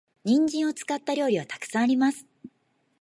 人参を使った料理は沢山あります。